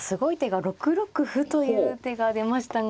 ６六歩という手が出ましたが。